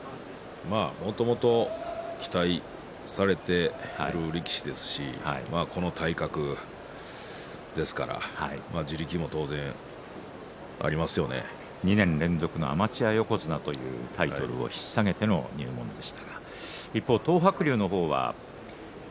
もともと期待されている力士ですし、この体格ですから２年連続のアマチュア横綱というタイトルをひっ提げての入門です。